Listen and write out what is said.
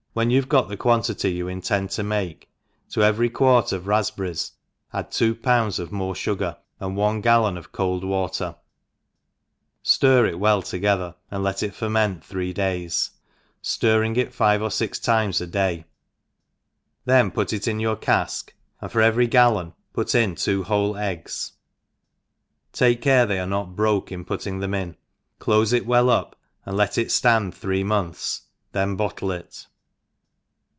323 y^htvk you have got the quantity you intend to make^ to every qmrt of rafpberries add two pounds more of fugar, and one gallon of cold watety (tir it well together, and let it ferment three days, ftifring it five or fix times a day, then put it in your cafk, and for every gallon put in two whole eggs, take care, they are not broke in putting them in, clofe it well Up, and '^it it ftand three months, then bottle it.